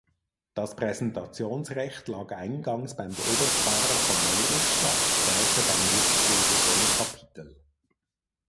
Das Präsentationsrecht lag eingangs beim Oberpfarrer von Mellrichstadt, später beim Würzburger Domkapitel.